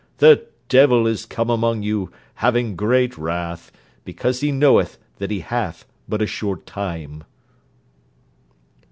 The devil is come among you, having great wrath, because he knoweth that he hath but a short time.'